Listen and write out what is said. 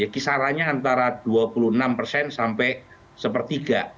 kisarannya antara dua puluh enam persen sampai sepertiga